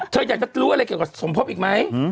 เธออยากจะรู้อะไรเกี่ยวกับสมภพอีกไหม